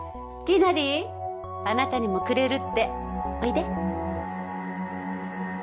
也あなたにもくれるっておいで